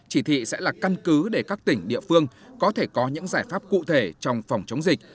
chỉ thị sẽ là căn cứ để các tỉnh địa phương có thể có những giải pháp cụ thể trong phòng chống dịch